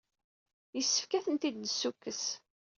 Yessefk ad ten-id-nessukkes.